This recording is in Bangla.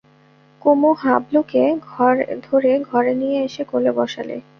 কুমু হাবলুকে ধরে ঘরে নিয়ে এসে কোলে বসালে।